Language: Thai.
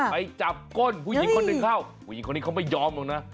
ไปจับก้นผู้หญิงคนเด็กเข้าผู้หญิงคนเด็กเข้าไม่ยอมดูนะ